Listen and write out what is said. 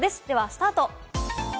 スタート。